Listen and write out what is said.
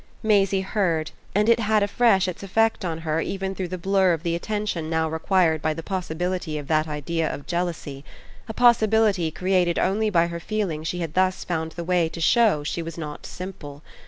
Maisie heard, and it had afresh its effect on her even through the blur of the attention now required by the possibility of that idea of jealousy a possibility created only by her feeling she had thus found the way to show she was not simple.